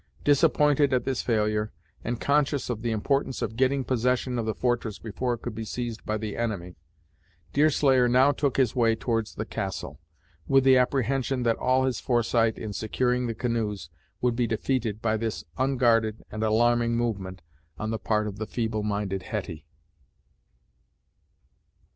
Disappointed at this failure, and conscious of the importance of getting possession of the fortress before it could be seized by the enemy, Deerslayer now took his way towards the castle, with the apprehension that all his foresight in securing the canoes would be defeated by this unguarded and alarming movement on the part of the feeble minded Hetty.